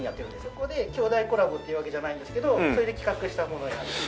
そこで兄弟コラボっていうわけじゃないんですけどそれで企画したものになります。